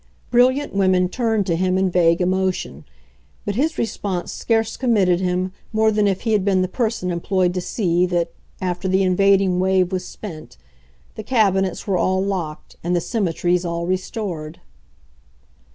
Brilliant women turned to him in vague emotion, but his response scarce committed him more than if he had been the person employed to see that, after the invading wave was spent, the cabinets were all locked and the symmetries all restored.